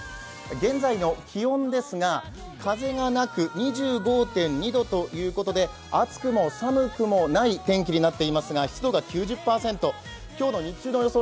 現在の気温ですが風がなく２５．２度ということで、暑くも寒くもない天気となっていますが湿度が９０％、今日の日中の予想